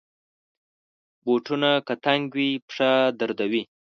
بوټونه که تنګ وي، پښه دردوي.